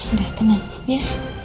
udah tenang ya